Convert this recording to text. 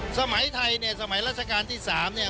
สมัยไทยเนี่ยสมัยราชการที่๓เนี่ย